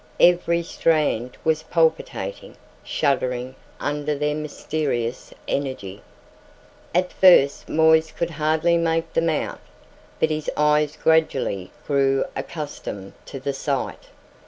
Every strand was palpitating, shuddering under their mysterious energy. At first Moisse could hardly make them out, but his eyes gradually grew accustomed to the sight.